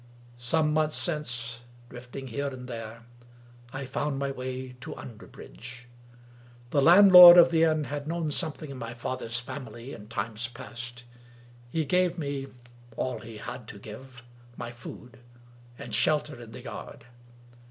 Some months since — drifting here and there — I found my way to Underbridge. The landlord of the inn had known something of my father's family in times past. He gave me (all he had to give) my food, and shelter in the yard.